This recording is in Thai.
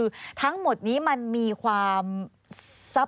ควิทยาลัยเชียร์สวัสดีครับ